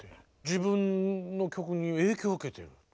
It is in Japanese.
自分の曲に影響を受けていると。